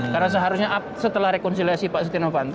karena seharusnya setelah rekonsiliasi pak setinovanto